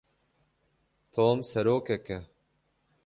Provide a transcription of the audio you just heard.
Tom serokek e.